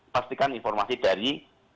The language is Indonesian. pastikan informasi dari